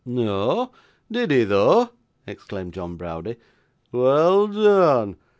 'Noa, did 'ee though?' exclaimed John Browdie. 'Well deane!